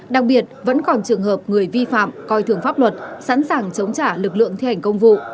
đặc biệt vẫn còn trường hợp người vi phạm coi thường pháp luật sẵn sàng chống trả lực lượng thi hành công vụ